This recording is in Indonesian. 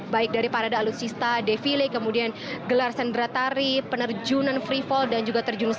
baik dari para da'alutsista defile kemudian gelar senderatari penerjunan free fall dan juga terjunusatwa